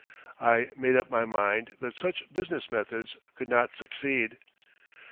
I made up my mind that such business methods could not succeed.